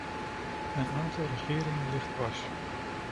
Een aantal regeringen ligt dwars.